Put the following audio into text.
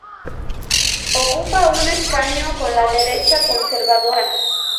Ocupa un escaño con la derecha conservadora.